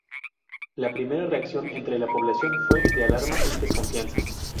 La primera reacción entre la población fue de alarma y desconfianza.